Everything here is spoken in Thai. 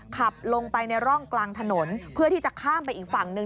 ขับลงไปในร่องกลางถนนเพื่อที่จะข้ามไปอีกฝั่งหนึ่ง